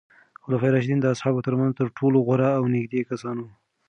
خلفای راشدین د اصحابو ترمنځ تر ټولو غوره او نږدې کسان وو.